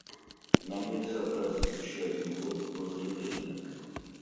Нам нельзя тратить еще один год на заявления.